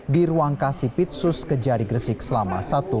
di ruang kasipitsus kejari gresik selama satu x dua puluh empat jam